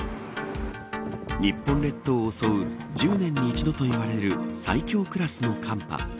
日本列島を襲う１０年に一度といわれる最強クラスの寒波。